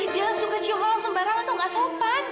jangan suka cium orang sembarang atau gak sopan